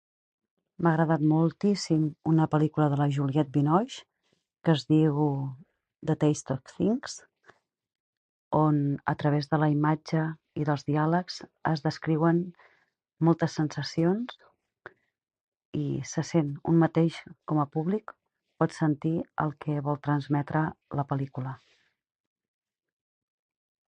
"M'ha agradat moltíssim una pel·lícula de la Juliette Binoche que es diu ""The taste of things"", on, a través de la imatge i dels diàlegs, es descriuen moltes sensacions i se sent un mateix com a públic pots sentir el que vol transmetre la pel·lícula."